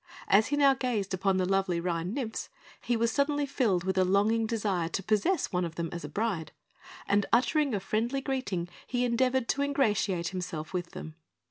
As he now gazed upon the lovely Rhine nymphs, he was suddenly filled with a longing desire to possess one of them as a bride, and uttering a friendly greeting, he endeavoured to ingratiate himself with them.